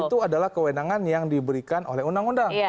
itu adalah kewenangan yang diberikan oleh undang undang